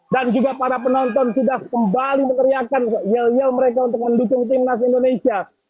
dan juga para penonton sudah kembali meneriakan yel yel mereka untuk mendukung timnas indonesia